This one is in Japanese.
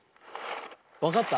わかった？